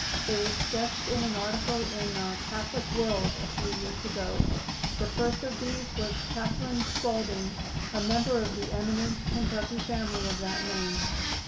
They were sketched in an article in the "Catholic World" a few years ago. The first of these was Catherine Spalding, a member of the eminent Kentucky family of that name.